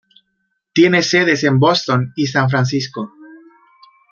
Tiene sedes en Boston y San Francisco.